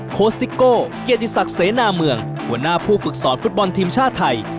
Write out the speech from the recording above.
โคสิโก้เกียรติศักดิ์เสนาเมืองหัวหน้าผู้ฝึกสอนฟุตบอลทีมชาติไทย